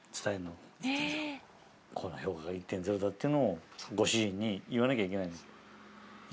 ここの評価が１．０だっていうのをご主人に言わなきゃいけないの？